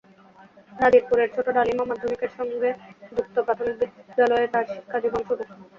নাজিরপুরের ছোট ডালিমা মাধ্যমিকের সঙ্গে যুক্ত প্রাথমিক বিদ্যালয়ে তাঁর শিক্ষাজীবন শুরু।